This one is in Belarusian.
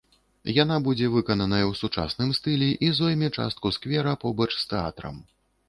Яна будзе выкананая ў сучасным стылі і зойме частку сквера побач з тэатрам.